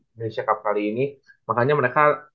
indonesia cup kali ini makanya mereka